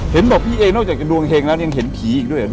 เห็นบอกพี่เองนอกจากดวงเฮงแล้วเนี่ยยังเห็นผีอีกด้วยนะ